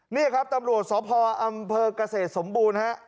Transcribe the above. นี่ครับตำรวจสพอำเภอกเกษตรสมบูรณ์ฮะ